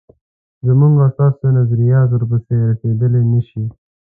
زموږ او ستاسو نظریات ورپسې رسېدلای نه شي.